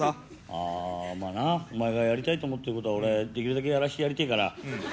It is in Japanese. あぁまぁなお前がやりたいと思ってることは俺できるだけやらせてやりてぇから。